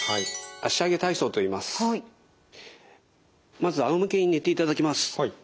まずあおむけに寝ていただきます。